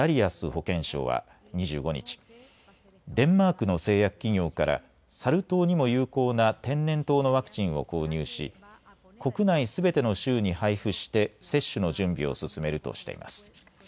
保健相は２５日、デンマークの製薬企業からサル痘にも有効な天然痘のワクチンを購入し国内すべての州に配布して接種の準備を進めるとしています。